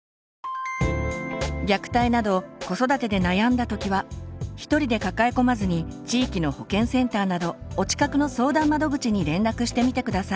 虐待など子育てで悩んだときは一人で抱え込まずに地域の保健センターなどお近くの相談窓口に連絡してみて下さい。